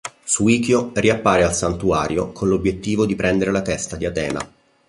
Suikyo riappare al Santuario con l'obiettivo di prendere la testa di Atena.